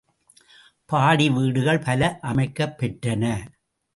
பாடி வீடுகள் பல அமைக்கப்பெற்றன.